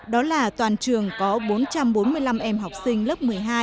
đó là toàn trường có bốn trăm bốn mươi năm em học sinh lớp một mươi hai